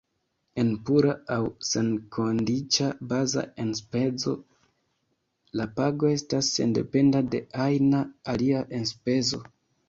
En pura aŭ senkondiĉa baza enspezo la pago estas sendependa de ajna alia enspezo.